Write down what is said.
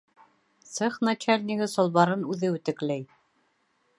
Цех начальнигы салбарын үҙе үтекләй!